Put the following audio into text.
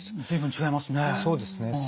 そうですね。